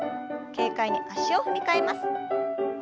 軽快に脚を踏み替えます。